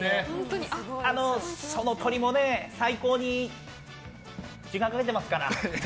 その鶏も最高に時間かけてますから。